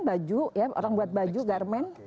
baju ya orang buat baju garmen